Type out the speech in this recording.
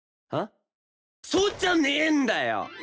「そっ」じゃねえんだよ！